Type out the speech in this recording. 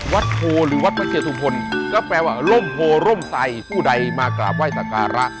วัดโภหรือวัดมัสเชียทุมพลก็แปลว่าโรมโภโรมไซผู้ใดมากราบว่ายสการะ